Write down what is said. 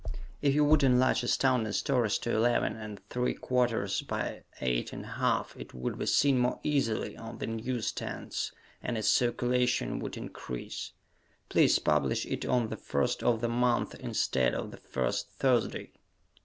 If you would enlarge Astounding Stories to 11 3/4 by 8 1/2 it would be seen more easily on the newsstands and its circulation would increase. Please publish it on the first of the month instead of the first Thursday.